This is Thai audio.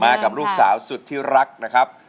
กับลูกสาวสุดที่รักนะครับ